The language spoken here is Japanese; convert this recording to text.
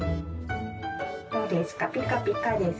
どうですかピカピカです？